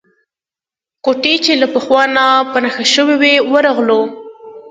کوټې چې له پخوا نه په نښه شوې وې ورغلو.